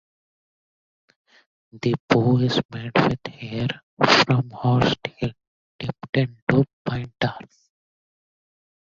The bow is made with hair from horse tail dipped into pine tar.